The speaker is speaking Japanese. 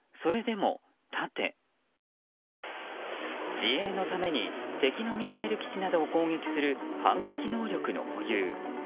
自衛のために敵のミサイル基地などを攻撃する反撃能力の保有。